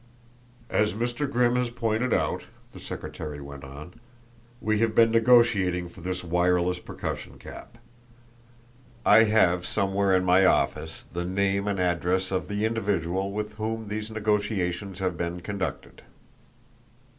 "As Mr. Grimm has pointed out," the secretary went on, "we have been negotiating for this wireless percussion cap. I have somewhere in my office the name and address of the individual with whom these negotiations have been conducted.